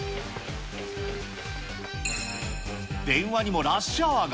電話にもラッシュアワーが！